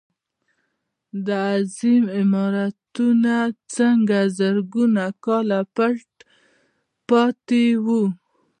دا عظیم عمارتونه څنګه زرګونه کاله پټ پاتې وو.